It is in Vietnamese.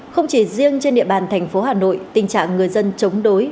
không chỉ riêng trên địa bàn thành phố hà nội tình trạng người dân chống đối